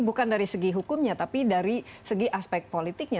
bukan dari segi hukumnya tapi dari segi aspek politiknya